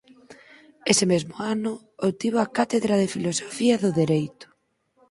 Ese mesmo ano obtivo a cátedra de filosofía do dereito.